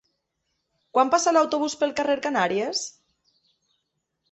Quan passa l'autobús pel carrer Canàries?